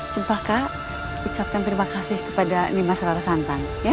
cempaka ucapkan terima kasih kepada nimas rara santan ya